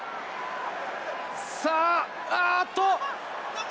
さあ、あーっと！